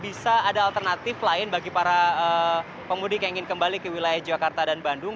bisa ada alternatif lain bagi para pemudik yang ingin kembali ke wilayah jakarta dan bandung